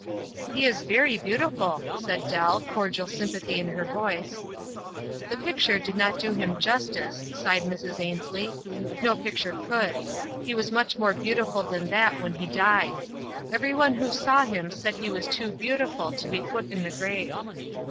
"He is very beautiful," said Dell, cordial sympathy in her voice. "The picture did not do him justice," sighed Mrs. Ainslie. "No picture could. He was much more beautiful than that when he died. Every one who saw him said he was too beauti ful to be put in the grave."